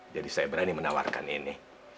jadi saya berani menawarkan ini